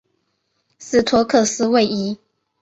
斯托克斯位移。